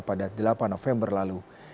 pada bulan november lalu